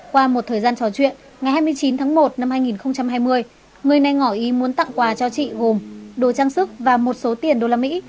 qua một thời gian trò chuyện ngày hai mươi chín tháng một năm hai nghìn hai mươi người này ngỏ ý muốn tặng quà cho chị gồm đồ trang sức và một số tiền đô la mỹ